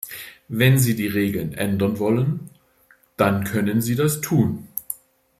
Wenn Sie die Regeln ändern wollen, dann können Sie das tun.